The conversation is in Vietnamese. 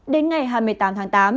đến ngày hai mươi tám tháng tám